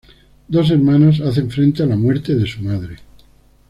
Dos hermanas hacen frente a la muerte de su madre.